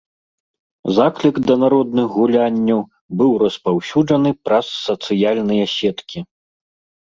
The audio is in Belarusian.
Заклік да народных гулянняў быў распаўсюджаны праз сацыяльныя сеткі.